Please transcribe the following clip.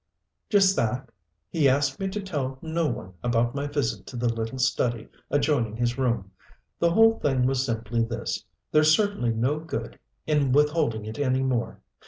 "Just that he asked me to tell no one about my visit to the little study adjoining his room. The whole thing was simply this there's certainly no good in withholding it any more.